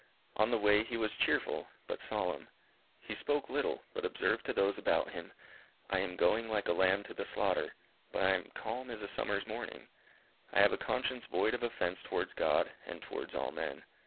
On the way he was cheerful but solemn. He spoke little, but observed to those about him, _"I am going like a lamb to the slaughter; but I am calm as a summer's morning; I have a conscience void of offence towards God, and towards all men.